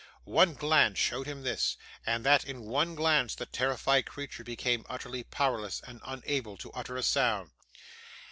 One glance showed him this; and in that one glance the terrified creature became utterly powerless and unable to utter a sound.